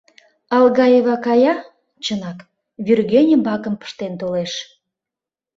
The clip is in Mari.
Алгаева кая, чынак, вӱргене бакым пыштен толеш.